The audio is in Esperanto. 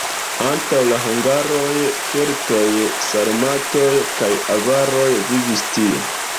Antaŭ la hungaroj keltoj, sarmatoj kaj avaroj vivis tie.